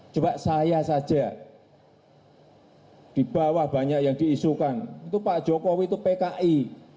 coba saya saja di bawah banyak yang diisukan itu pak jokowi itu pki